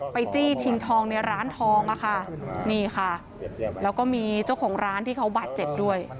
จี้ชิงทองในร้านทองอะค่ะนี่ค่ะแล้วก็มีเจ้าของร้านที่เขาบาดเจ็บด้วย